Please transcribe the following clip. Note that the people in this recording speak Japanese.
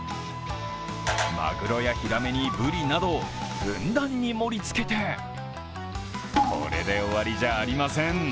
マグロやヒラメにブリなどふんだんに盛りつけてこれで終わりじゃありません。